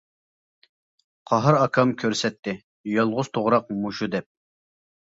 قاھار ئاكام كۆرسەتتى، يالغۇز توغراق مۇشۇ دەپ.